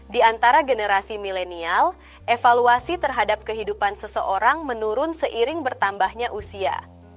di antara generasi milenial evaluasi terhadap kehidupan seseorang menurun seiring bertambahnya usia